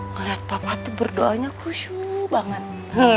ngeliat papa tuh berdoanya kusyuh banget